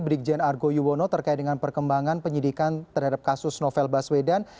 brigjen argo yuwono terkait dengan perkembangan penyidikan terhadap kasus novel baswedan